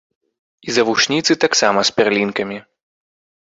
І завушніцы таксама з пярлінкамі.